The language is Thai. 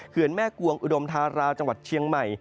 แม่กวงอุดมธาราจังหวัดเชียงใหม่